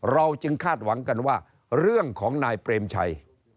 เราจึงคาดหวังกันว่าเรื่องของนายเปรมชัย